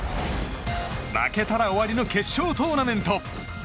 負けたら終わりの決勝トーナメント。